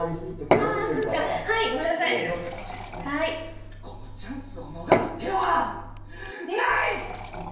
１６８「このチャンスを逃す手はない！」